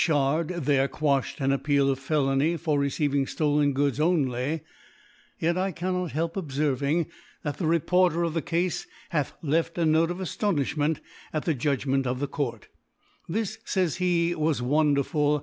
iri there quaflied an Appeal of Felony for receiving ftolcn Goods only, yet I can not help obferving, that the Reporter of the Cafe hath left a Note of Aftonifhment at the Judgment of the Q)urt, This, fays he, was wonderful